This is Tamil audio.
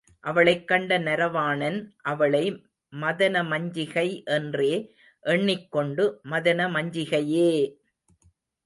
அவளைக் கண்ட நரவாணன், அவளை மதனமஞ்சிகை என்றே எண்ணிக் கொண்டு, மதன மஞ்சிகையே!